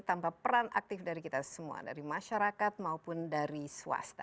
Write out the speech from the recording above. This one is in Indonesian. tanpa peran aktif dari kita semua dari masyarakat maupun dari swasta